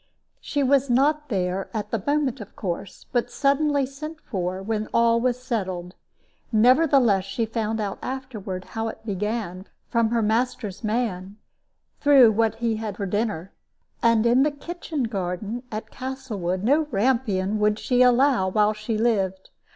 She was not there at the moment, of course, but suddenly sent for when all was settled; nevertheless, she found out afterward how it began from her master's man, through what he had for dinner. And in the kitchen garden at Castlewood no rampion would she allow while she lived.